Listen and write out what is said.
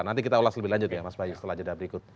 nanti kita ulas lebih lanjut ya mas bayu setelah jeda berikut